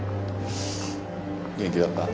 元気だった？